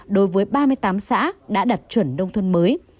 đối với ba mươi tám xã đã đặt chuẩn nông thôn mới